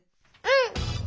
うん！